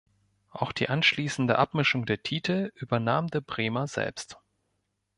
Auch die anschließende Abmischung der Titel übernahm der Bremer selbst.